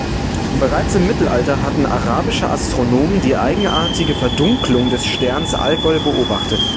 Bereits im Mittelalter hatten arabische Astronomen die eigenartige Verdunklung des Sterns Algol beobachtet.